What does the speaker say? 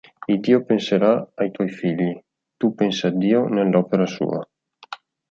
Iddio penserà ai tuoi figli; tu pensa a Dio nell'Opera sua”.